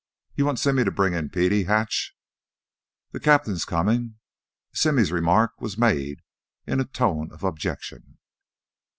You want Simmy to bring in Petey, Hatch?" "Th' cap'n's comin'." Simmy's remark was made in a tone of objection.